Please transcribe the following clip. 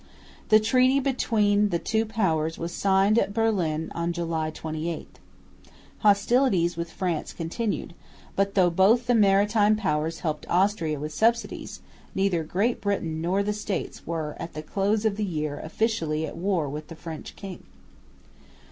The treaty between the two powers was signed at Berlin on July 28. Hostilities with France continued; but, though both the Maritime Powers helped Austria with subsidies, neither Great Britain nor the States were at the close of the year officially at war with the French king.